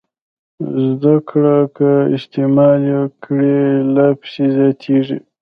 زده کړه که استعمال یې کړئ لا پسې زیاتېږي.